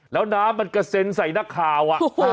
แล้วน้ำมันกระเซ็นใส่นักข่าว